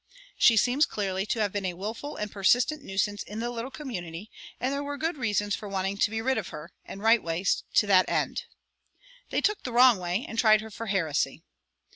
She seems clearly to have been a willful and persistent nuisance in the little community, and there were good reasons for wanting to be rid of her, and right ways to that end. They took the wrong way and tried her for heresy.